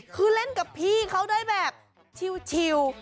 คือเล่นกับพี่เขาได้แบบชิล